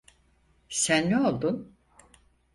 Sen ne oldun?